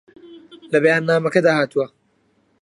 لە بەیاننامەکەدا هاتووە